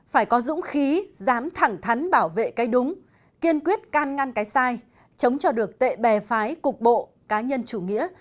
phải có dũng khí dám thẳng thắn bảo vệ cái đúng kiên quyết can ngăn cái sai chống cho được tệ bè phái cục bộ cá nhân chủ nghĩa